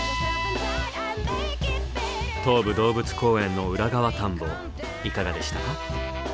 東武動物公園の裏側探訪いかがでしたか？